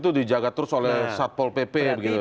itu dijaga terus oleh satpol pp